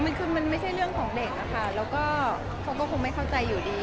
มันคือมันไม่ใช่เรื่องของเด็กอะค่ะแล้วก็เขาก็คงไม่เข้าใจอยู่ดี